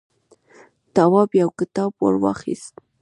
تواب يو کتاب ور واخيست.